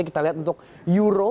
kita lihat untuk euro